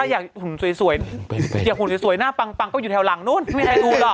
ถ้าอยากหุ่นสวยหน้าปังก็อยู่แถวหลังนู่นไม่ได้รอ